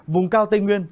vùng cao tây nguyên